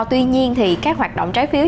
tuy nhiên thì các hoạt động trái phiếu